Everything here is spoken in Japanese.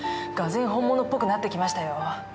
がぜん本物っぽくなってきましたよ。